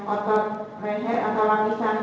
otopsi leher atau lapisan